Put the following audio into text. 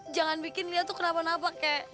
jangan bikin lia tuh kenapa napa kek